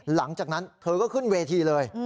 หลังจากนั้นเธอก็ขึ้นเวทีเลย